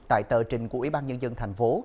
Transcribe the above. tại tờ trình của ủy ban nhân dân thành phố